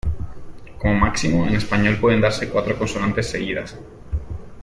Como máximo, en español, pueden darse cuatro consonantes seguidas.